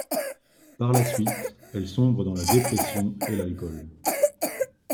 Par la suite, elle sombre dans la dépression et l'alcool.